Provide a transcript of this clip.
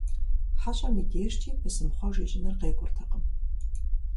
ХьэщӀэм и дежкӀи бысымхъуэж ищӀыныр къекӀуртэкъым.